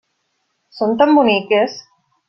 Són tan boniques!